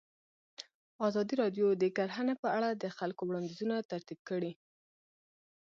ازادي راډیو د کرهنه په اړه د خلکو وړاندیزونه ترتیب کړي.